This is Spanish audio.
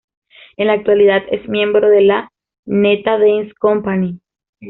En la actualidad es miembro de la "Neta Dance Company".